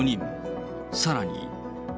さらに。